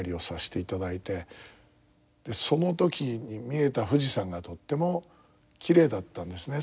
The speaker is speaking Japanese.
その時に見えた富士山がとってもきれいだったんですね